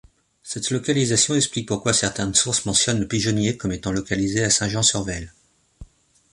Cette localisation explique pourquoi certaines sources mentionnent le pigeonnier comme étant localisé à Saint-Jean-sur-Veyle.